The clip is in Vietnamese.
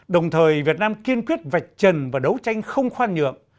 đồng thời việt nam kiên quyết vạch trần và đấu tranh không khoan nhượng